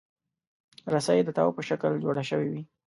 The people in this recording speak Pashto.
رسۍ د تاو په شکل جوړه شوې وي.